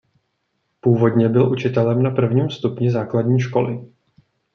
Původně byl učitelem na prvním stupni základní školy.